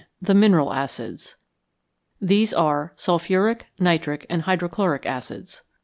THE MINERAL ACIDS These are sulphuric, nitric, and hydrochloric acids.